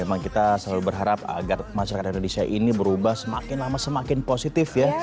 memang kita selalu berharap agar masyarakat indonesia ini berubah semakin lama semakin positif ya